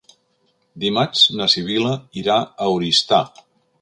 Dimarts na Sibil·la irà a Oristà.